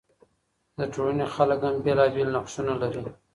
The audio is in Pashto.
د ټولني خلګ هم بیلابیل نقشونه لري.